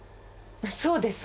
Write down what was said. そうですか？